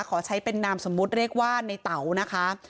ขอใช้เป็นนามสมมุติเรียกว่าในเต๋านะคะ